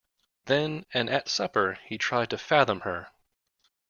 Then, and at supper, he tried to fathom her.